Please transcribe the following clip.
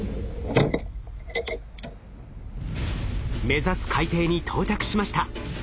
目指す海底に到着しました。